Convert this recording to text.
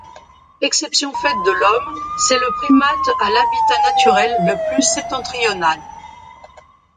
Exception faite de l'Homme, c'est le primate à l'habitat naturel le plus septentrional.